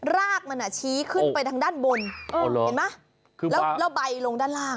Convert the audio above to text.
รากมันอ่ะชี้ขึ้นไปทางด้านบนเห็นไหมแล้วใบลงด้านล่าง